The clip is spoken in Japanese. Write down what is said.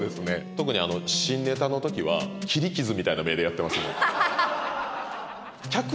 特に新ネタの時は切り傷みたいな目でやってます